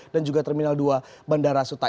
dan juga terminal dua bandara suta